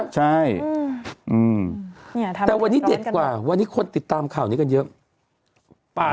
ใช่แต่วันนี้เด็ดกว่าวันนี้คนติดตามข่าวนี้กันเยอะ